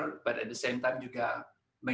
tapi pada saat yang sama